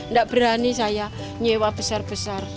nggak berani saya nyewa besar besar